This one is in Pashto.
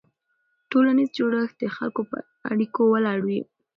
ټولنیز جوړښت د خلکو په اړیکو ولاړ وي.